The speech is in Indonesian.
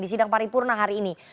di sidang paripurna hari ini